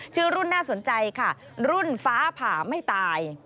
ชื่อรุ่นน่าสนใจค่ะรุ่นฟ้าผ่าไม่ตาย